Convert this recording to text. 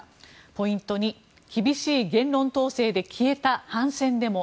ポイント２、厳しい言論統制で消えた反戦デモ。